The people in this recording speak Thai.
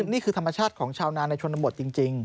นี่คือธรรมชาติของชาวนานในชนบทจริง